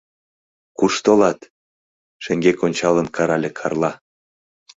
— Куш толат! — шеҥгек ончалын, карале Карла.